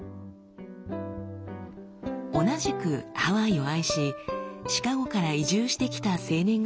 同じくハワイを愛しシカゴから移住してきた青年がいました。